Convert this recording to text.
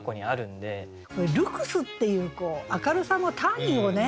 「ルクス」っていう明るさの単位をね